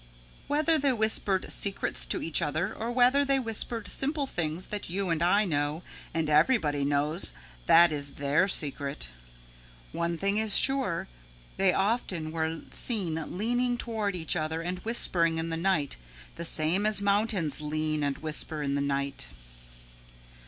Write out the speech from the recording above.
Whether they whispered secrets to each other or whether they whispered simple things that you and I know and everybody knows, that is their secret. One thing is sure: they often were seen leaning toward each other and whispering in the night the same as mountains lean and whisper in the night.